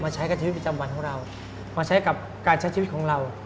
ใช้กับชีวิตประจำวันของเรามาใช้กับการใช้ชีวิตของเรา